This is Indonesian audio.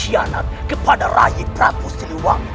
berkhianat kepada rai prabu siliwangi